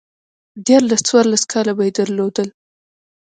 ديارلس، څوارلس کاله به يې درلودل